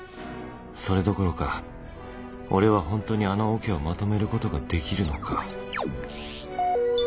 それどころか俺はホントにあのオケをまとめることができるのか？